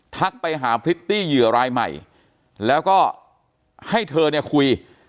ทักไปหาพริตตี้เหยื่อรายใหม่แล้วก็ให้เธอเนี่ยคุย